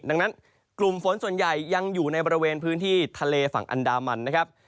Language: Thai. ดังนั้นกลุ่มฝนส่วนใหญ่ยังอยู่ในบริเวณพื้นที่ทะเลฝั่งอันดามันนะครับ